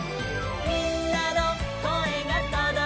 「みんなのこえがとどいたら」